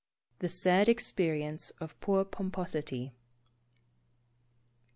THE SAD EXPERIENCE OF POOR POMPOSITY.